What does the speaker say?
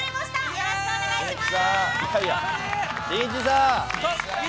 よろしくお願いします。